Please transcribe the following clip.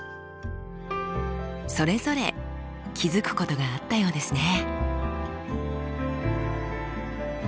それぞれ気付くことがあったようですね。